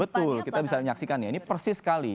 betul kita bisa menyaksikan ya ini persis sekali